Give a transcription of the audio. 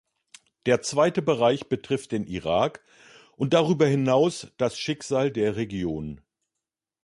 Der zweite Bereich betrifft den Irak und darüber hinaus das Schicksal der Region.